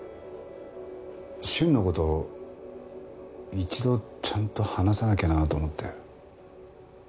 瞬の事一度ちゃんと話さなきゃなと思って。